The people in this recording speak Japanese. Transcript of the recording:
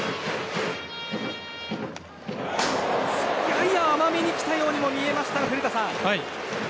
やや甘めに来たようにも見えましたが、古田さん。